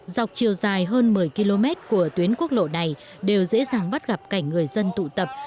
dọc chiều dài hơn một mươi km của tuyến quốc lộ này đều dễ dàng bắt gặp cảnh người dân tụ tập